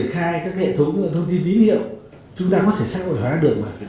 khai các hệ thống thông tin tín hiệu chúng ta có thể xã hội hóa được